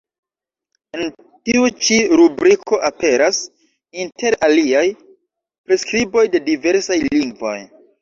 En tiu ĉi rubriko aperas, inter aliaj, priskriboj de diversaj lingvoj.